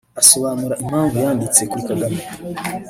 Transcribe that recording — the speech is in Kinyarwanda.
Asobanura impamvu yanditse kuri Kagame